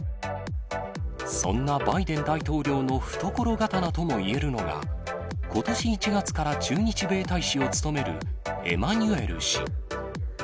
そんなバイデン大統領の懐刀ともいえるのが、ことし１月から駐日米大使を務める、エマニュエル氏。